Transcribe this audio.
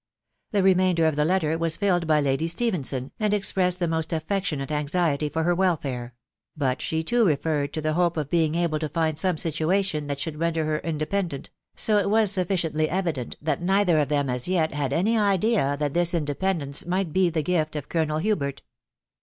The remainder of the letter was 611ed by Lady Stephenson, and expressed the most affectionate anxiety for her welfare ; but she too referred to the hope of being able to find some situation that should render her inde pendent; so that it was sufficiently evident that neither of them as yet had any idea that this independence might be the gift of Colonel Hubert.